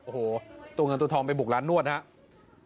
โอ้โหตัวเงินตัวทองไปบุกร้านนวดนะครับ